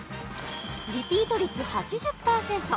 リピート率８０％！